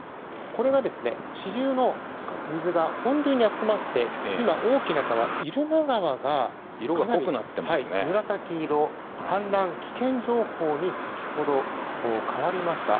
これが支流の水が本流に集まって、今大きな川入間川が紫色氾濫危険情報に先ほど、変わりました。